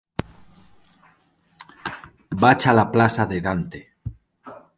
Vaig a la plaça de Dante.